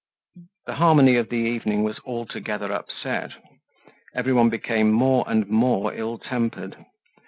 The harmony of the evening was altogether upset. Everyone became more and more ill tempered.